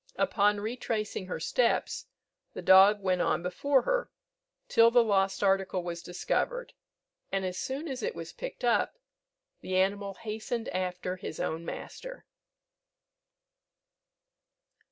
Upon retracing her steps, the dog went on before her, till the lost article was discovered; and as soon as it was picked up, the animal hastened after his own master.